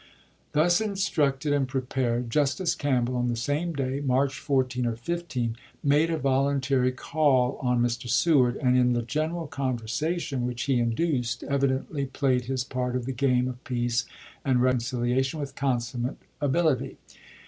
Thus instructed and prepared, Justice Campbell i86i. on the same day (March 14 or 15) made a voluntary call on Mr. Seward, and in the general conversation which he induced evidently played his part of the game of peace and reconciliation with consummate campbeii ability.